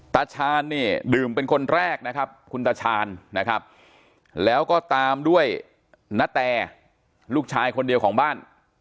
ตาชาญเนี่ยดื่มเป็นคนแรกนะครับคุณตาชาญนะครับแล้วก็ตามด้วยณแต่ลูกชายคนเดียวของบ้าน